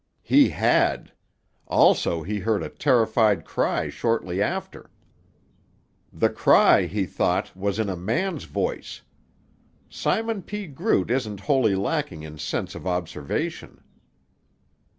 "He had. Also he heard a terrified cry shortly after. The cry, he thought, was in a man's voice. Simon P. Groot isn't wholly lacking in sense of observation."